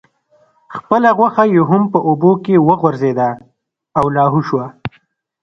خپله غوښه یې هم په اوبو کې وغورځیده او لاهو شوه.